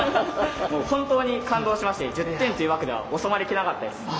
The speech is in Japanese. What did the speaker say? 本当に感動しまして１０点という枠では収まりきらなかったです。